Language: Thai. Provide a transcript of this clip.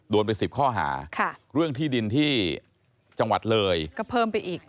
โดนไป๑๐ข้อหาเรื่องที่ดินที่จังหวัดเลยก็เพิ่มไปอีก